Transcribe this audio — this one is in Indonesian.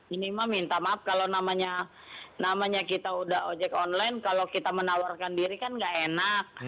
ini mah minta maaf kalau namanya kita udah ojek online kalau kita menawarkan diri kan nggak enak